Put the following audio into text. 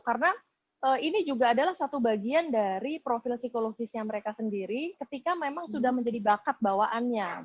karena ini juga adalah satu bagian dari profil psikologisnya mereka sendiri ketika memang sudah menjadi bakat bawaannya